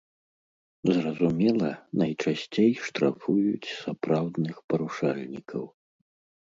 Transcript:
Зразумела, найчасцей штрафуюць сапраўдных парушальнікаў.